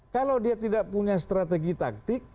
kalau dia tidak punya strategi taktik